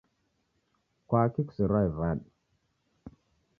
Kwaki' kuserwae vadu?